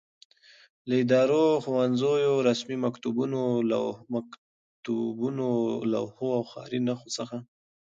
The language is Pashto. له ادارو، ښوونځیو، رسمي مکتوبونو، لوحو او ښاري نښو څخه